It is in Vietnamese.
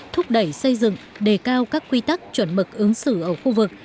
thúc đẩy xây dựng đề cao các quy tắc chuẩn mực ứng xử ở khu vực